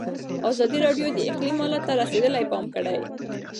ازادي راډیو د اقلیم حالت ته رسېدلي پام کړی.